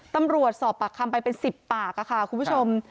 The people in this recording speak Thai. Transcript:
สอบปากคำไปเป็น๑๐ปากค่ะคุณผู้ชม